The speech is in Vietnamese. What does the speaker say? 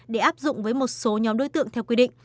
đối diện với năm tầng đây